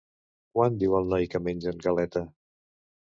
Quan diu el noi que mengen galeta?